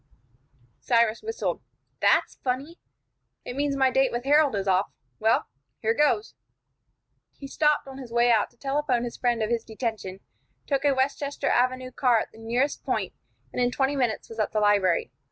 Cyrus whistled. "That's funny! It means my date with Harold is off. Well, here goes!" He stopped on his way out to telephone his friend of his detention, took a Westchester Avenue car at the nearest point, and in twenty minutes was at the library.